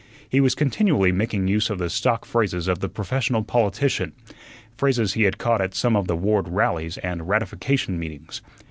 He was continually making use of the stock phrases of the professional politician phrases he had caught at some of the ward "rallies" and "ratification meetings."